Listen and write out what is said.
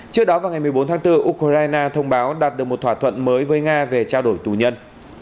trước đó vào ngày một mươi bốn tháng bốn ukraine thông báo đạt được một thỏa thuận mới với nga về trao đổi tù nhân